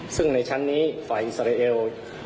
ซึ่งในชั้นนี้ฝ่ายอิสราเอล